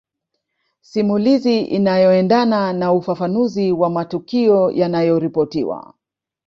Simulizi inayoendana na ufafanuzi wa matukio yanayoripotiwa